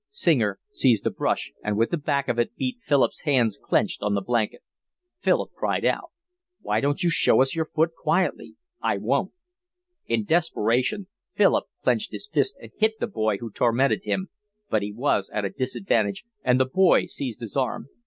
Singer seized a brush and with the back of it beat Philip's hands clenched on the blanket. Philip cried out. "Why don't you show us your foot quietly?" "I won't." In desperation Philip clenched his fist and hit the boy who tormented him, but he was at a disadvantage, and the boy seized his arm.